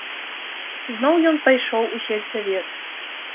Зноў ён пайшоў у сельсавет.